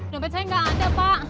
dompet saya nggak ada pak